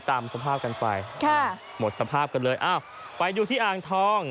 ตามสภาพกันไปค่ะหมดสภาพกันเลยอ้าวไปดูที่อ่างทอง